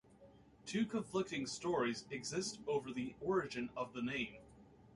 Two conflicting stories exist over the origin of the name.